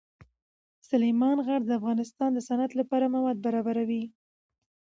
سلیمان غر د افغانستان د صنعت لپاره مواد برابروي.